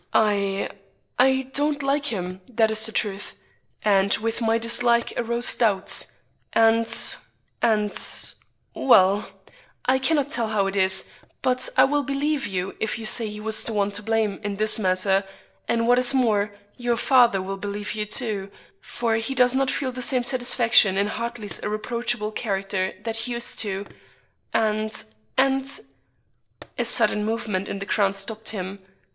I I don't like him, that is the truth; and with my dislike arose doubts, and and well, I cannot tell how it is, but I will believe you if you say he was the one to blame in this matter; and what is more, your father will believe you too; for he does not feel the same satisfaction in Hartley's irreproachable character that he used to, and and " A sudden movement in the crowd stopped him.